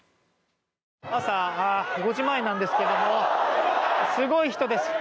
朝５時前なんですがすごい人です。